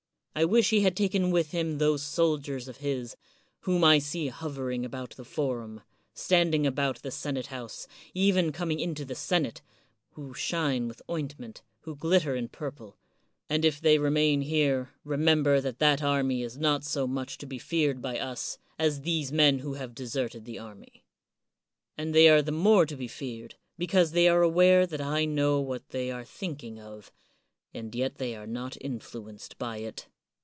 I wish he had taken with him those sol diers of his, whom I see hovering about the forum, standing about the senate house, even coming into the senate, who shine with ointment, who glitter in purple ; and if they remain here, remember that that army is not so much to be feared by us as these men who have deserted the army. And they are the more to be feared, be cause they are aware that I know what they are thinking of, and yet they are not influenced by it.